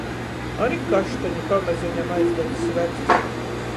Ari kaštani pamazeņam aizdadz svecis.